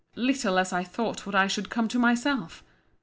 Little as I thought what I should come to myself!